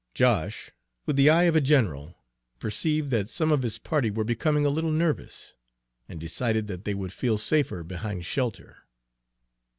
Josh, with the eye of a general, perceived that some of his party were becoming a little nervous, and decided that they would feel safer behind shelter.